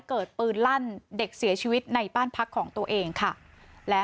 เกิดปืนลั่นเด็กเสียชีวิตในบ้านพักของตัวเองค่ะและ